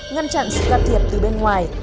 ngăn chặn sự gạt thiệt từ bên ngoài